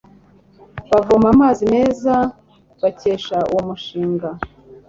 bavoma amazi meza bakesha uwo mushinga